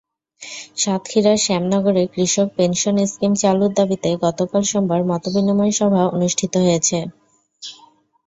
সাতক্ষীরার শ্যামনগরে কৃষক pension scheme চালুর দাবিতে গতকাল সোমবার মতবিনিময় সভা অনুষ্ঠিত হয়েছে।